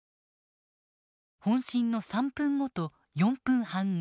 本震の３分後と４分半後。